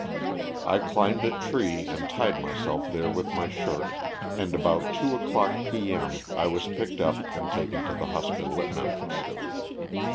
I climbed a tree and tied myself there with my shirt, and about two o'clock p. m. I was picked up and taken to the hospital at Memphis.